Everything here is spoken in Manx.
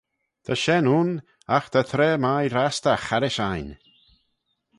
Ta shen ayn, agh ta traa mie rastagh harrish ain.